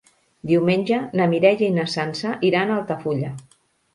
Diumenge na Mireia i na Sança iran a Altafulla.